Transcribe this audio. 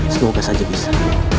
semoga saja bisa